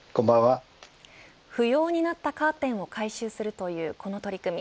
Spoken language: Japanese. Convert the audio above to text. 不要になったカーテンを回収するというこの取り組み